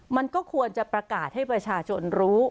มันก็ควรจะประกาศให้ประชาชนรู้